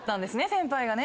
先輩がね。